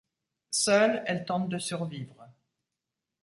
Seule, elle tente de survivre.